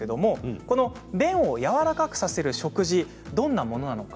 この便を軟らかくさせる食事どんなものなのか